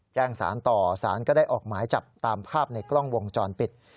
แจ้งสารต่อสารก็ได้ออกหมายจับตามภาพในกล้องวงจรปิด